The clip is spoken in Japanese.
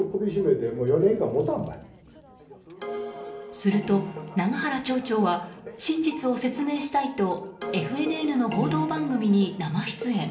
すると、永原町長は真実を説明したいとＦＮＮの報道番組に生出演。